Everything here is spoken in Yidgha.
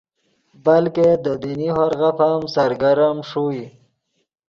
بلکہ دے دینی ہورغف ام سرگرم ݰوئے